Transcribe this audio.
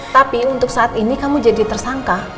tapi untuk saat ini kamu jadi tersangka